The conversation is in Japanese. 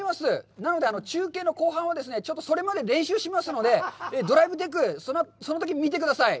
なので、中継の後半は、ちょっと、それまで練習しますので、ドライブテク、そのとき見てください。